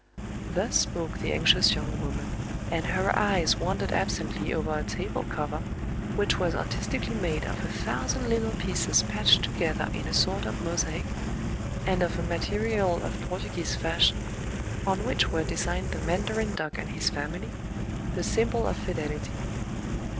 *' Thus spoke the anxious young woman ; and her eyes wandered absently over a table cover, which was artistically made of a thousand little pieces patched together in a sort of mosaic, and of a ma terial of Portuguese fashion, on which were de signed the mandarin duck and his family, the sym bol of fidelity.